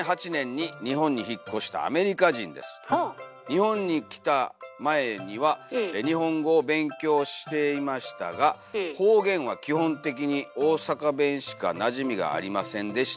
「日本に来た前には日本語を勉強していましたが『方言』は基本的に大阪弁しかなじみがありませんでした」。